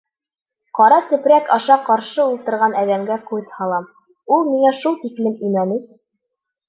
Ҡара сепрәк аша ҡаршы ултырған әҙәмгә күҙ һалам, ул миңә шул тиклем имәнес.